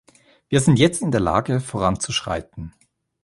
Wir sind jetzt in der Lage, voranzuschreiten.